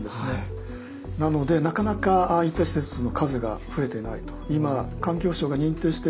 なのでなかなかああいった施設の数が増えてないと。